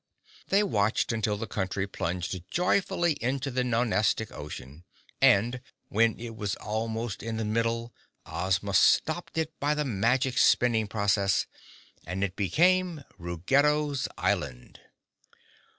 They watched until the Country plunged joyfully into the Nonestic Ocean and, when it was almost in the middle, Ozma stopped it by the magic spinning process and it became Ruggedo's Island.